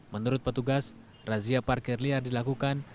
menurut petugas razia parkir liar dilakukan